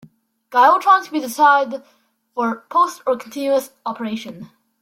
Gyrotrons can be designed for pulsed or continuous operation.